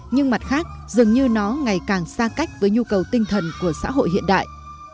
nhưng mặt khác dường như nó ngày càng xa cách với nhu cầu tinh thần của xã hội hiện đại